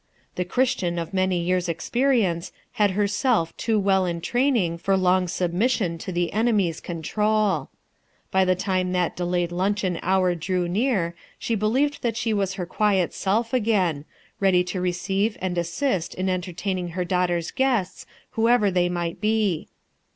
The Christian of many years' experience had herself too well in training for long sub mission to the enemy's control. By the time that delayed luncheon hour drew near she believed that she was her quiet self again; ready to Teceive and assist in entertaining her 158 RUTH ERSKINE'S SON daughter's guests whoever they might be.